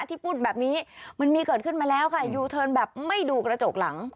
ที่พูดแบบนี้มันมีเกิดขึ้นมาแล้วค่ะยูเทิร์นแบบไม่ดูกระจกหลัง